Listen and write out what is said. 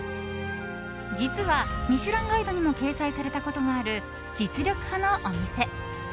実は「ミシュランガイド」にも掲載されたことがある実力派のお店。